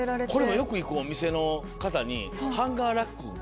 よく行くお店の方にハンガーラック。